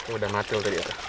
udah matil tadi ya